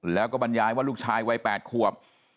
แล้วก็บรรยายว่าลูกชายวัย๘ขวบ